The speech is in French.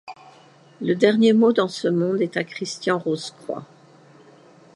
Le dernier mot dans ce monde est à Christian-Rose-Croix.